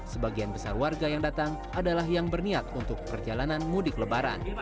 sebagian besar warga yang datang adalah yang berniat untuk perjalanan mudik lebaran